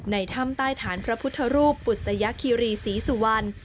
ในถ้ำใต้ฐานพระพุทธรูปปุศยคิรีศรีสุวรรณ